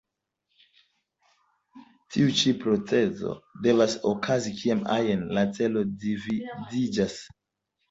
Tiu ĉi procezo devas okazi kiam ajn la ĉelo dividiĝas.